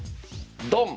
ドン！